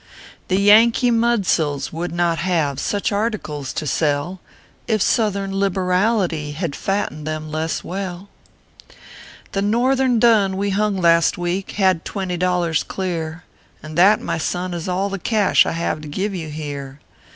The Yankee mudsills would not have Such articles to sell, If Southern liberality Had fattened them less well The Northern dun we hung last week Had twenty dollars clear, And that, my son, is all the cash I have to give you here.